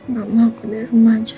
mama aku di rumah aja